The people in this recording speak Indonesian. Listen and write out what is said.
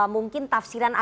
mungkin tafsiran agama